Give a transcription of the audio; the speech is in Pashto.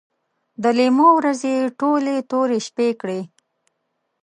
د لیمو ورځې یې ټولې تورې شپې کړې